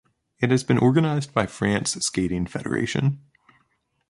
It has been organized by France Skating Federation.